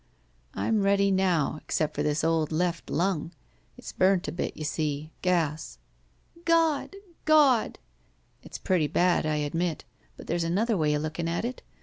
''I*m ready now, except for this old left lung. It*s burnt a bit, you see — gas." '*God! God!" ''It's pretty bad, I admit. But there's another way of looking at it.